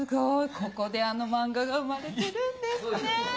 ここであの漫画が生まれてるんですね。